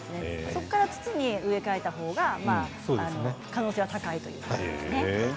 そこから土に植え替えた方が可能性は高いですね。